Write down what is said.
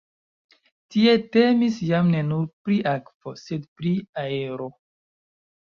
Tie temis jam ne nur pri akvo, sed pri aero.